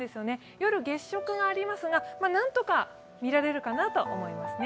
夜、月食がありますが、何とか見られるかなと思いますね。